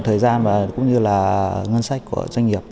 thời gian và cũng như là ngân sách của doanh nghiệp